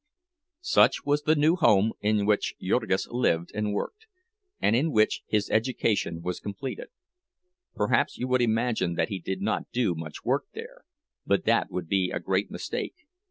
Such was the new home in which Jurgis lived and worked, and in which his education was completed. Perhaps you would imagine that he did not do much work there, but that would be a great mistake.